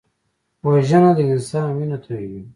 وژنه د انسان وینه تویوي